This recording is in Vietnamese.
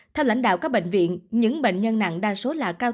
theo lãnh đạo các bệnh viện những bệnh nhân nặng đa số là cao